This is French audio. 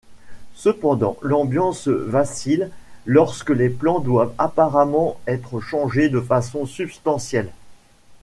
Cependant, l'ambiance vacille lorsque les plans doivent apparemment être changés de façon substantielle.